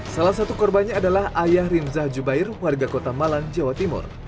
salah satu korbannya adalah ayah rinza jubair warga kota malang jawa timur